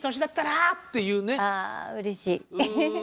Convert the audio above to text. ああうれしい。